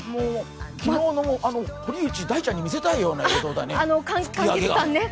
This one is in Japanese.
昨日の堀内大ちゃんに見せたいよね。